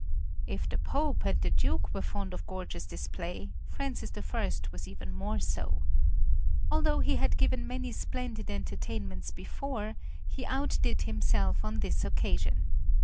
If the Pope and the Duke were fond of gorgeous display, Francis I was even more so. Although he had given many splendid entertainments before, he outdid himself on this occasion.